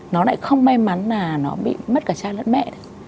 nó lại không may mắn là nó bị mất cả cha lẫn mẹ nữa